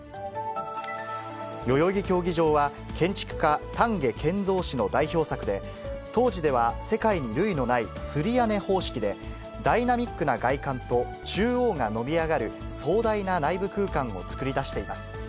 代々木競技場は、建築家、丹下健三氏の代表作で、当時では世界に類のないつり屋根方式で、ダイナミックな外観と、中央が伸び上がる壮大な内部空間を作り出しています。